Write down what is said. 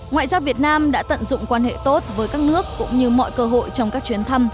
ngoại giao việt nam đã tận dụng quan hệ tốt với các nước cũng như mọi cơ hội trong các chuyến thăm